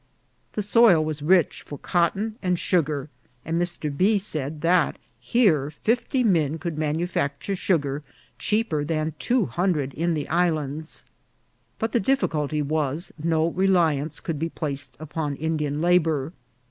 The soil was rich for cotton and sugar, and Mr. B. said tha here fifty men could manufacture sugar cheaper than two hundred in the islands ; but the difficulty was, no reliance could be placed upon Indian labour.